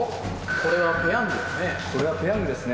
これはペヤングですね。